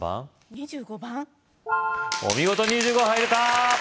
２５番お見事２５入れた！